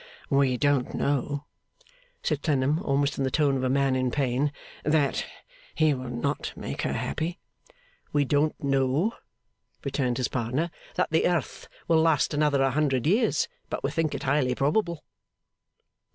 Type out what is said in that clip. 'We don't know,' said Clennam, almost in the tone of a man in pain, 'that he will not make her happy.' 'We don't know,' returned his partner, 'that the earth will last another hundred years, but we think it highly probable.